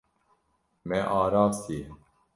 Me arastiye.